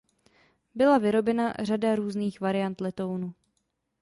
Byla vyrobena řada různých variant letounu.